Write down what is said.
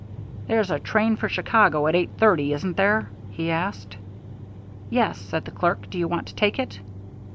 "There's a train for Chicago at 8.30, isn't there?" he asked. "Yes," said the clerk. "Do you want to take it?"